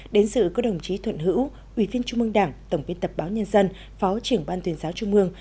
đến sự có đồng chí thuận hữu uy viên trung mương đảng tổng viên tập báo nhân dân phó trưởng ban tuyển giáo trung mương